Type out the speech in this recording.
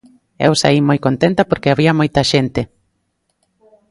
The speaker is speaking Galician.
Eu saín moi contenta porque había moita xente.